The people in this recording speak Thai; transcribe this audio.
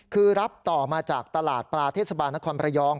คือรับต่อมาจากตลาดปลาเทศบาลนครประยอง